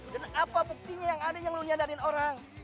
dan apa buktinya yang ada yang lo nyadarin orang